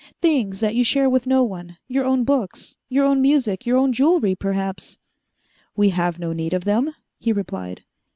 "Things that you share with no one? Your own books, your own music, your own jewelry, perhaps?" "We have no need of them," he replied.